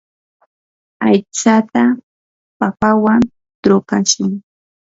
aytsata papawan trukashun.